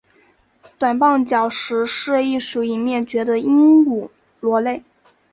短棒角石是一属已灭绝的鹦鹉螺类。